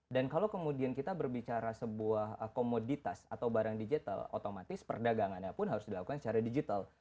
dan kalau kemudian kita berbicara sebuah komoditas atau barang digital otomatis perdagangannya pun harus dilakukan secara digital